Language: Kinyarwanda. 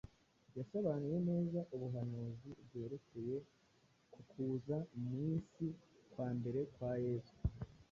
yasobanuye neza ubuhanuzi bwerekeye ku kuza mu isi kwa mbere kwa Yesu.